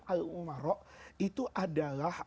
al umaro itu adalah